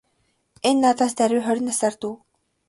Энэ надаас даруй хорин насаар дүү.